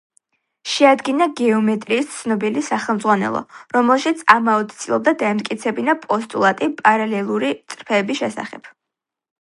შეადგინა გეომეტრიის ცნობილი სახელმძღვანელო, რომელშიც ამაოდ ცდილობდა დაემტკიცებინა პოსტულატი პარალელური წრფეების შესახებ.